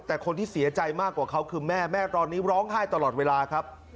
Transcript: แต่คนที่เสียใจมากกว่าเขาคือแม่แม่ตอนนี้ร้องไห้ตลอดเวลาครับ